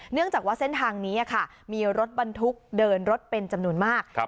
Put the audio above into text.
เนื่องจากว่าเส้นทางนี้มีรถบรรทุกเดินรถเป็นจำนวนมาก